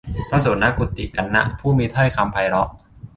พระโสณกุฎิกัณณะ ผู้มีถ้อยคำไพเราะ